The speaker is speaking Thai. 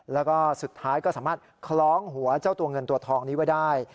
แล้วก็สุดท้ายก็สามารถคล้องหัวเจ้าตัวเงินตัวทองนี้ไว้ได้